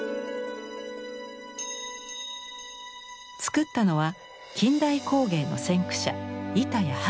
作ったのは近代工芸の先駆者